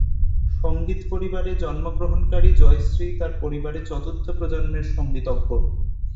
সঙ্গীত পরিবারে জন্মগ্রহণকারী জয়শ্রী তার পরিবারের চতুর্থ প্রজন্মের সঙ্গীতজ্ঞ।